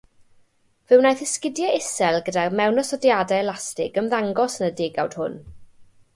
Fe wnaeth esgidiau isel gyda mewnosodiadau elastig ymddangos yn y degawd hwn.